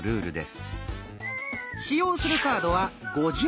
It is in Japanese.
使用するカードは５２枚。